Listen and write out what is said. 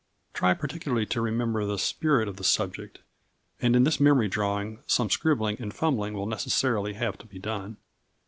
Try particularly to remember the spirit of the subject, and in this memory drawing some scribbling and fumbling will necessarily have to be done.